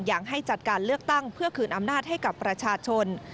อย่างให้จัดการเลือกตั้งเพื่อคืนอำนาจให้กับประชาชน